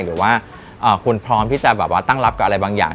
หรือว่าคุณพร้อมที่จะแบบว่าตั้งรับกับอะไรบางอย่าง